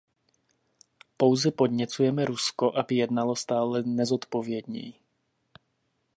Pouze podněcujeme Rusko, aby jednalo stále nezodpovědněji.